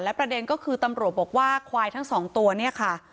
ประเด็นก็คือตำรวจบอกว่าควายทั้งสองตัวเนี่ยค่ะ